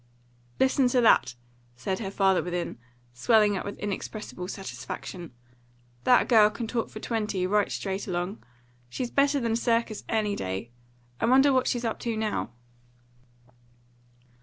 "Listen to that!" said her father within, swelling up with inexpressible satisfaction. "That girl can talk for twenty, right straight along. She's better than a circus any day. I wonder what she's up to now."